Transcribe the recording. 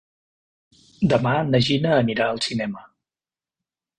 Demà na Gina anirà al cinema.